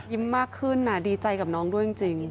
ยิ้มมากขึ้นน่ะดีใจกับน้องด้วยจริง